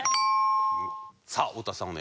さあ太田さん